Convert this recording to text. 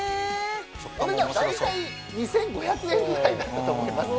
お値段大体２５００円ぐらいだったと思います。